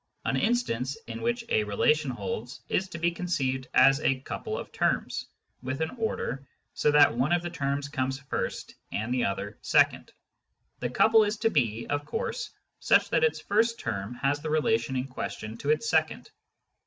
An " instance " in which a relation holds is to be conceived as a couple of terms, with an order, so that one of the terms comes first and the other second ; the couple is to be, of course, such that its first term has the relation in question to its second.